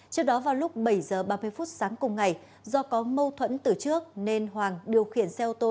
trước đó vào lúc bảy h ba mươi phút sáng cùng ngày do có mâu thuẫn từ trước nên hoàng điều khiển xe ô tô